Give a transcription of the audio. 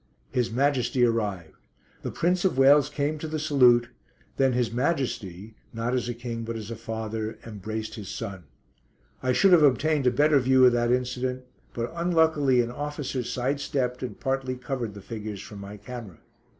His Majesty arrived. The Prince of Wales came to the salute, then His Majesty not as a king, but as a father embraced his son. I should have obtained a better view of that incident, but unluckily an officer side stepped and partly covered the figures from my camera.